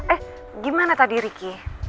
eh gimana tadi riki